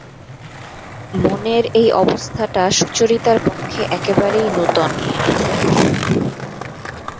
মনের এই অবস্থাটা সুচরিতার পক্ষে একেবারে নূতন।